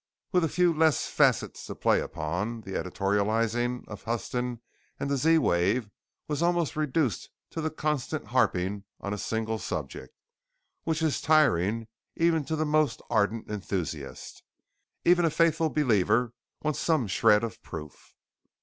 With a few less facets to play upon, the editorializing of Huston and the Z wave was almost reduced to the constant harping on a single subject which is tiring even to the most ardent enthusiast. Even a faithful believer wants some shred of proof.